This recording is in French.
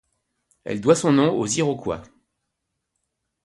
Elle doit son nom aux Iroquois.